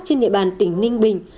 trên địa bàn tỉnh ninh bình